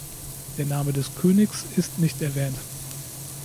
Der Name des Königs ist nicht erwähnt.